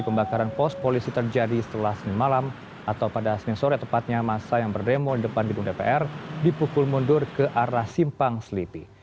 pembakaran pos polisi terjadi setelah senin malam atau pada senin sore tepatnya masa yang berdemo depan gedung dpr dipukul mundur ke arah simpang selipi